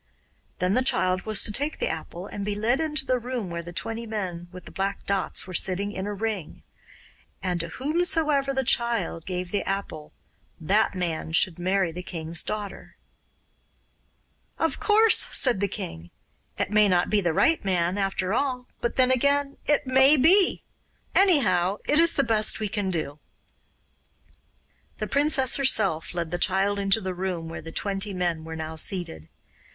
Then the child was to take the apple and be led into a room where the twenty men with the black dots were sitting in a ring. And to whomsoever the child gave the apple, that man should marry the king's daughter. 'Of course,' said the king, 'it may not be the right man, after all, but then again it MAY be. Anyhow, it is the best we can do.' The princess herself led the child into the room where the twenty men were now seated.